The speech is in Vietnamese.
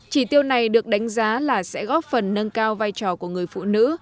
chỉ tiêu này được đánh giá là sẽ góp phần nâng cao vai trò của người phụ nữ